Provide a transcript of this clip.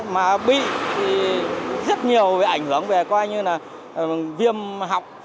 mà bị rất nhiều về ảnh hưởng về coi như là viêm học